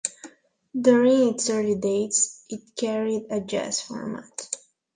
During its early days it carried a jazz format.